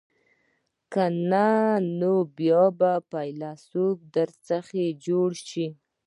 که نه نو بیا به فیلسوف در څخه جوړ شي.